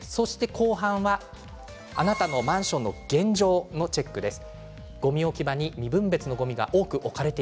後半は、あなたのマンションの現状のチェックです。